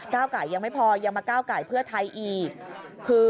ไก่ยังไม่พอยังมาก้าวไก่เพื่อไทยอีกคือ